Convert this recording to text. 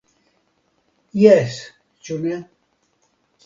Jes, ĉu ne.